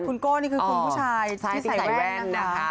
คุณโก้นี่คือคุณผู้ชายที่ใส่แว่นนะคะ